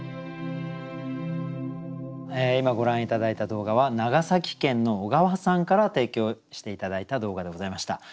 今ご覧頂いた動画は長崎県のおがわさんから提供して頂いた動画でございました。